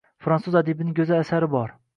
Frantsuz adibining go’zal asari bor.